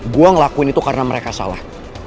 gue ngelakuin itu karena mereka salah